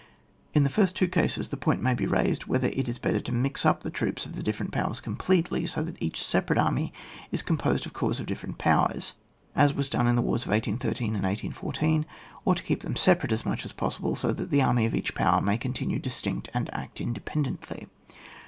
In the two flrst cases, the point may be raised, whether it is better to mix up the troops of the dij8ferent powers completely, so that each separate army is composed of corps of diflerent powers, as was done CHAP. DC.] PLAN OF WAR FOR DESTRUCTION OF THE ENEMY. 89 in the wars 1813 and 1814, or to keep them separate as much as possible, so that the armj of each power may con tinue distinct and act independently.